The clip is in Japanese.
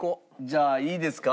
じゃあいいですか？